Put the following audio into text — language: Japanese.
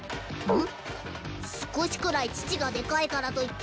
ん！